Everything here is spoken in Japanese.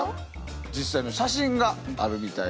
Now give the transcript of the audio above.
実際の写真があるみたいです。